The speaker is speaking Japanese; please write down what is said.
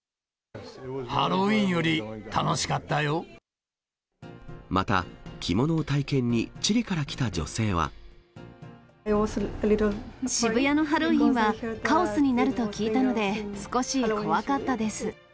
ハロウィーンより楽しかったまた、渋谷のハロウィーンはカオスになると聞いたので、少し怖かったです。